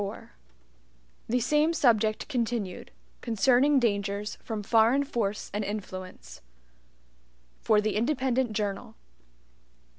4 The Same Subject Continued (Concerning Dangers From Foreign Force and Influence) For the Independent Journal.